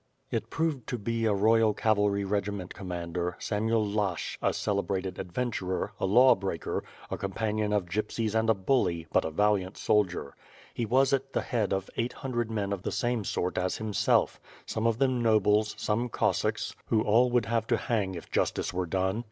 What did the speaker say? ^Pfe in Polish meanE fie, or pshaw. 3^4 WITH FIRE AND SWORD, It proved to be a royal cavalry regiment commander, Samuel Lashch, a celebrated adventurer, a law breaker, a companion of gypsies and a bully, but a valiant soldier. He was at the head of eight hundred men of the same sort as himself; some of them nobles, some Cossacks, w^ho all would have to hang if justice were done.